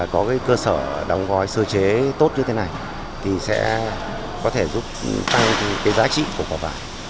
có cái cơ sở đóng gói sơ chế tốt như thế này thì sẽ có thể giúp tăng cái giá trị của quả vải